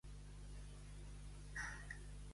Fuig del món i passa a Gorga!